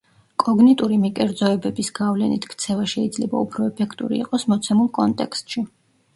კოგნიტური მიკერძოებების გავლენით ქცევა შეიძლება უფრო ეფექტური იყოს მოცემულ კონტექსტში.